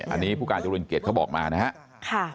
อันนี้ผู้การเจริญเกียจเขาบอกมานะครับ